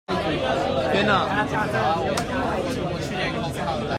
天啊！